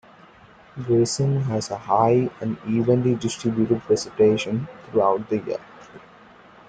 Giresun has a high and evenly distributed precipitation throughout the year.